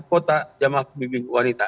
kuota jemaah pembimbing wanita